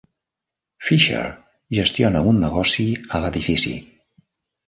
Fisher gestiona un negoci a l'edifici.